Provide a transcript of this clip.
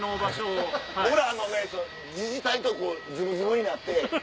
僕ら自治体とズブズブになって。